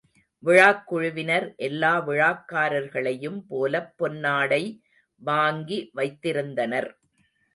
விழாக் குழுவினர் எல்லா விழாக்காரர்களையும் போலப் பொன்னாடை வாங்கி வைத்திருந்தனர்.